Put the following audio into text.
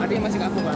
artinya masih kaku kan